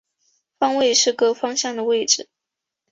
方位是各方向的位置。